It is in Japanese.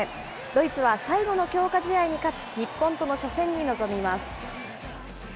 ドイツは最後の強化試合に勝ち、日本との初戦に臨みます。